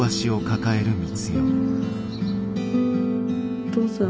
お父さん！